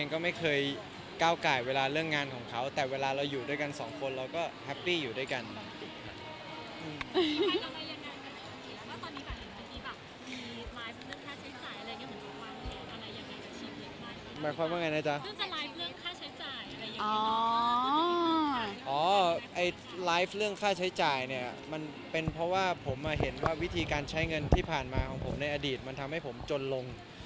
ของเราอยู่แล้วคุณไม่จำเป็นต้องมีอะไรเปลี่ยนแปลง